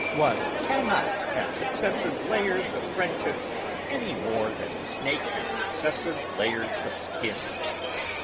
One can not have successive layers of friendships any more than the snake has successive layers of skins.